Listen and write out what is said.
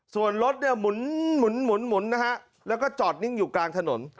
ส่วนรถเนี่ยหมุนหมุนหมุนหมุนนะฮะแล้วก็จอดนิ่งอยู่กลางถนน